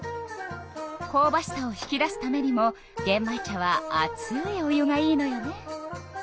こうばしさを引き出すためにもげん米茶は熱いお湯がいいのよね。